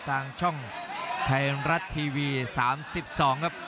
ทางช่องไทยรัฐทีวี๓๒ครับ